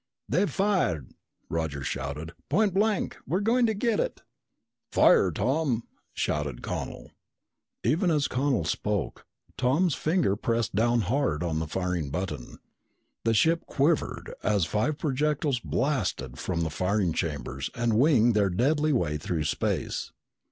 "They've fired," Roger shouted. "Point blank! We're going to get it!" "Fire, Tom!" shouted Connel. Even as Connel spoke, Tom's finger pressed down hard on the firing button. The ship quivered as five projectiles blasted from the firing chambers and winged their deadly way through space.